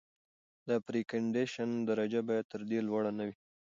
د اېرکنډیشن درجه باید تر دې لوړه نه وي.